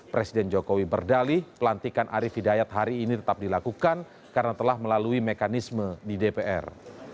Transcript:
presiden jokowi berdalih pelantikan arief hidayat hari ini tetap dilakukan karena telah melalui mekanisme di dpr